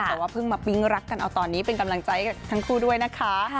แต่ว่าเพิ่งมาปิ๊งรักกันเอาตอนนี้เป็นกำลังใจให้ทั้งคู่ด้วยนะคะ